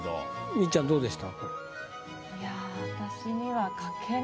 みっちゃんどうでした？